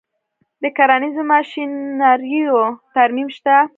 د کرنیزو ماشینریو ترمیم شته